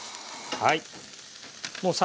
はい。